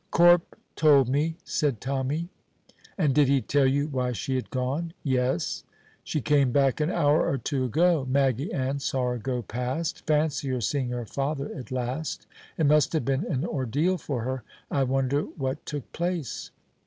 "Corp told me," said Tommy. "And did he tell you why she had gone?" "Yes." "She came back an hour or two ago. Maggy Ann saw her go past. Fancy her seeing her father at last! It must have been an ordeal for her. I wonder what took place."